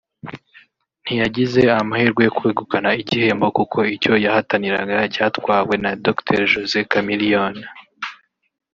ntiyagize amahirwe yo kwegukana igihembo kuko icyo yahataniraga cyatwawe na Dr Jose Chameleone